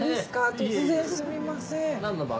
突然すみません。